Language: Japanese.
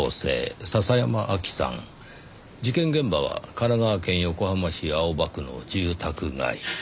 事件現場は神奈川県横浜市青葉区の住宅街。